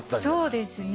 そうですね。